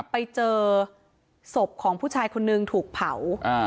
ไปเจอศพของผู้ชายคนนึงถูกเผา